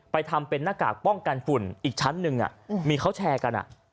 ทำเป็นหน้ากากป้องกันฝุ่นอีกชั้นหนึ่งมีเขาแชร์กัน